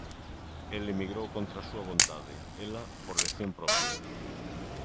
El emigrou contra da súa vontade; ela, por elección propia.